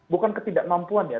bukan ketidakmampuan ya